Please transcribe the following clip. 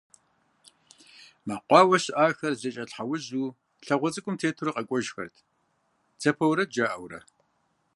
Мэкъуауэ щыӏахэр зэкӏэлъхьэужьу лъагъуэ цӏыкӏум тетурэ къэкӏуэжхэрт дзапэ уэрэд жаӏэурэ.